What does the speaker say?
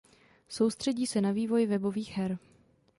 Soustředí se na vývoj webových her.